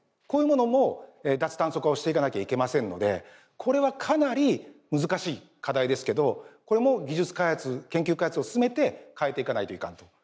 こういうものも脱炭素化をしていかなきゃいけませんのでこれはかなり難しい課題ですけどこれも技術開発研究開発を進めて変えていかないといかんと。